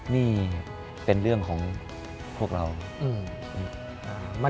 นี่เป็นเรื่องของพวกเรา